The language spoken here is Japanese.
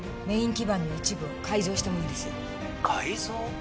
メイン基板の一部を改造したものです改造？